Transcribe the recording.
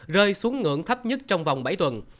rơi xuống ngưỡng thấp nhất trong vòng bảy tuần